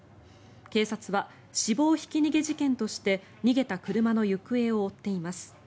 警察は死亡ひき逃げ事件として逃げた車の行方を追っています。